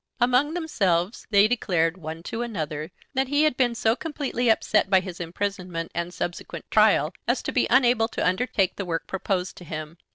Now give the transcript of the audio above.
Among themselves they declared one to another that he had been so completely upset by his imprisonment and subsequent trial as to be unable to undertake the work proposed to him.